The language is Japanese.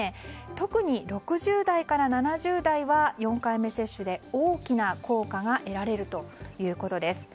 特に６０代から７０代は４回目接種で大きな効果が得られるということです。